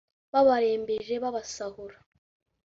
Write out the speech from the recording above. babarembeje babasahura